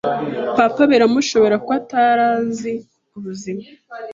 Papa birmushobera kuko atari azi ubuzima